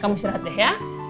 kamu istirahat deh ya